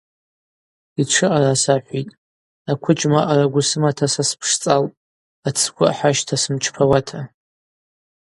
Йтшы араса ахӏвитӏ: Аквыджьма аъара гвы сымата са спшцӏалпӏ, ацгвы ахӏа щта сымчпауата.